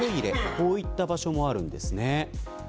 こういった場所もあるんです。